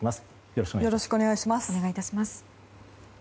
よろしくお願いします。